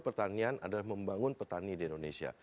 pertanian adalah membangun petani di indonesia